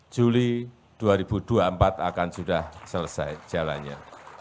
juli dua ribu dua puluh empat akan sudah selesai jalannya